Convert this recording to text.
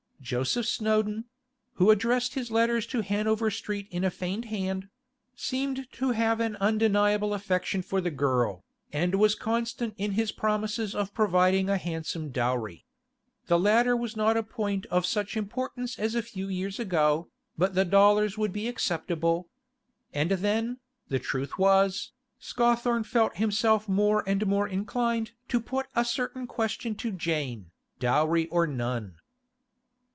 Joseph Snowdon (who addressed his letters to Hanover Street in a feigned hand) seemed to have an undeniable affection for the girl, and was constant in his promises of providing a handsome dowry. The latter was not a point of such importance as a few years ago, but the dollars would be acceptable. And then, the truth was, Scawthorne felt himself more and more inclined to put a certain question to Jane, dowry or none.